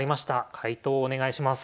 解答お願いします。